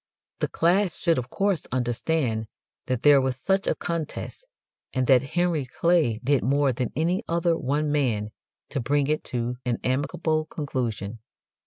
The class should of course understand that there was such a contest, and that Henry Clay did more than any other one man to bring it to an amicable conclusion.